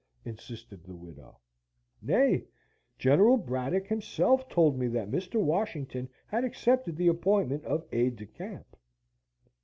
insisted the widow. "Nay; General Braddock himself told me that Mr. Washington had accepted the appointment of aide de camp."